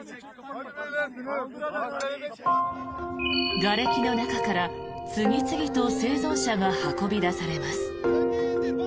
がれきの中から次々と生存者が運び出されます。